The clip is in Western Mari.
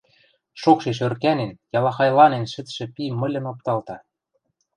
Шокшеш ӧркӓнен, ялахайланен шӹцшӹ пи мыльын опталта.